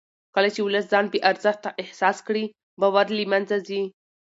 کله چې ولس ځان بې ارزښته احساس کړي باور له منځه ځي